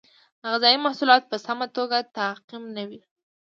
غذایي محصولات په سمه توګه تعقیم نه وي.